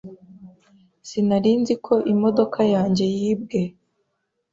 Sinari nzi ko imodoka yanjye yibwe.